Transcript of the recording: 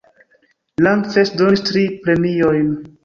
Langfest donis tri premiojn.